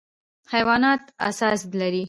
حیوانات احساس لري.